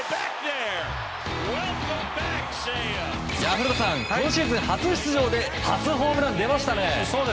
古田さん、今シーズン初出場で初ホームラン出ましたね！